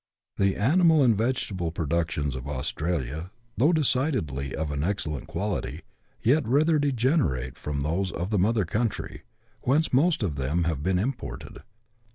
The animal and vegetable productions of Australia, though decidedly of an excellent quality, yet rather degenerate from those of the mother country, whence most of them have been imported.